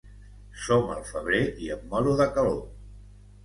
Som al febrer i em moro de calor!